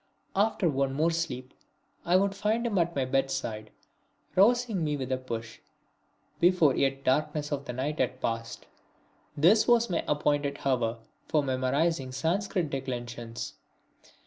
After one more sleep I would find him at my bedside, rousing me with a push, before yet the darkness of night had passed. This was my appointed hour for memorising Sanscrit declensions.